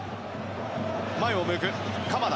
前を向く、鎌田。